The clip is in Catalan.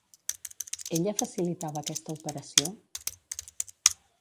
Ella facilitava aquesta operació?